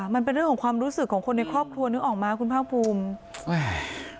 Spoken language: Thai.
มันเป็นเรื่องของความรู้สึกของคนในครอบครัวนึกออกมาคุณภาคภูมิ